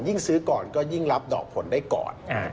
ซื้อก่อนก็ยิ่งรับดอกผลได้ก่อน